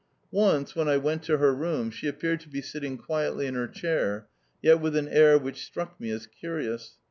Once, when I went to her room, she appeared to be sitting quietly in her chair, yet with an air which struck me as curious.